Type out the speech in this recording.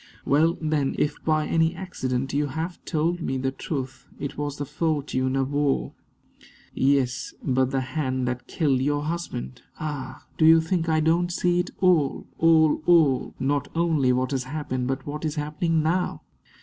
"Well, then, if by any accident you have told me the truth, it was the fortune of war " "Yes, but the hand that killed your husband! Ah! do you think I don't see it all all all not only what has happened, but what is happening now?"